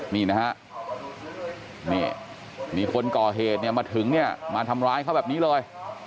มีฝนก่อเหตุเนี้ยมาถึงเนี้ยมาทำร้ายเขาแบบนี้เลย